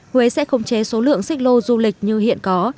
huế sẽ không chế số lượng xích lô du lịch như hiện có